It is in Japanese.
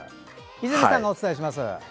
泉さんがお伝えします。